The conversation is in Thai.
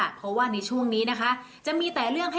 ส่งผลทำให้ดวงชาวราศีมีนดีแบบสุดเลยนะคะ